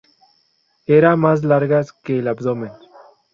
Eran más largas que el abdomen.